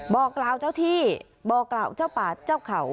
บอกกล่าวเจ้าที่บอกกล่าวเจ้าป่าเจ้าเขา